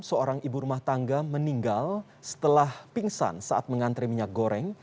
seorang ibu rumah tangga meninggal setelah pingsan saat mengantre minyak goreng